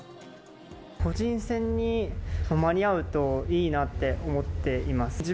個人戦に間に合うといいなって思っています。